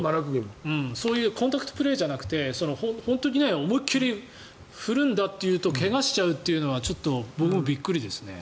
そういうコンタクトプレーじゃなくて本当に思い切り振るんだというと怪我しちゃうというのは僕もびっくりですね。